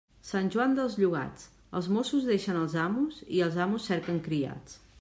Sant Joan dels llogats, els mossos deixen els amos i els amos cerquen criats.